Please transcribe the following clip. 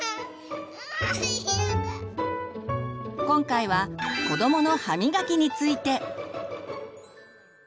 今回は子どもの歯みがきについて。